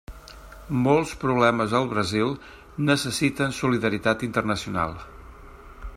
Molts problemes al Brasil necessiten solidaritat internacional.